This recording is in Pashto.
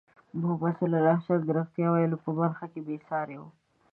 محمد صلى الله عليه وسلم د رښتیا ویلو په برخه کې بې ساری وو.